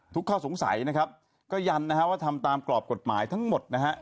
ข้อสงสัยนะครับก็ยันนะฮะว่าทำตามกรอบกฎหมายทั้งหมดนะฮะ